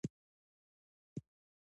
آيا دغه جمله له ګرامري پلوه سمه ده؟